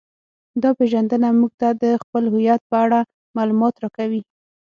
دا پیژندنه موږ ته د خپل هویت په اړه معلومات راکوي